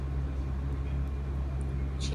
Chemsha kwa dakika arobaini tu viazi vyako